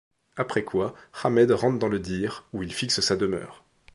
Après quoi, Ahmed rentre dans le Dhir, ou il fixe sa demeure.